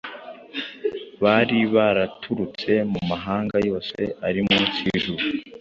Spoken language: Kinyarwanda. bari baraturutse mu mahanga yose ari munsi y’ijuru.